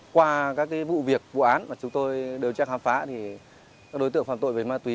qua các vụ việc vụ án mà chúng tôi đều chắc khám phá thì các đối tượng phạm tội về ma túy